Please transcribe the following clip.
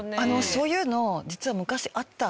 そういうの実は昔あった。